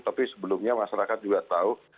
tapi sebelumnya masyarakat juga tahu